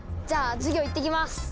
じゃあ授業いってきます！